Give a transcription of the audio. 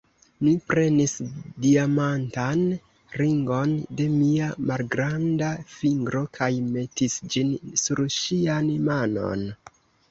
Mi prenis diamantan ringon de mia malgranda fingro kaj metis ĝin sur ŝian manon.